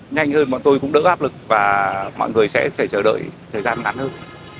nhanh hơn mọi người cũng đỡ áp lực và mọi người sẽ chờ đợi thời gian ngắn hơn